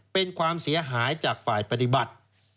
เป็นความเสียหายจากฝ่ายปฏิบัติ